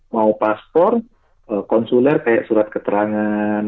mau paspor konsuler kayak surat keterangan